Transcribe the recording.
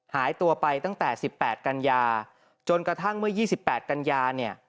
หายตัวไปตั้งแต่๑๘กันยาจนกระทั่งเมื่อ๒๘กันยาเนี่ย